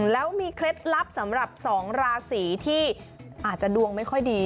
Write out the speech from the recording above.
แล้วมีเคล็ดลับสำหรับ๒ราศีที่อาจจะดวงไม่ค่อยดี